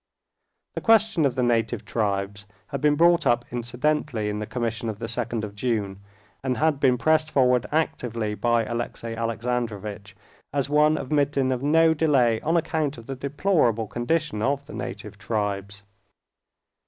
The question of the Native Tribes had been brought up incidentally in the Commission of the 2nd of June, and had been pressed forward actively by Alexey Alexandrovitch as one admitting of no delay on account of the deplorable condition of the native tribes.